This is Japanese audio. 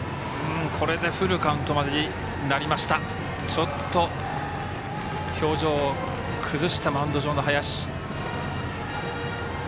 ちょっと表情を崩したマウンド上の林。